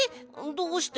どうして？